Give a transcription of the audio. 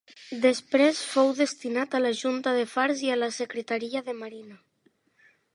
Després fou destinat a la Junta de Fars i a la Secretaria de Marina.